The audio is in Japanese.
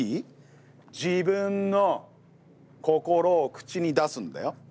自分の心を口に出すんだよ。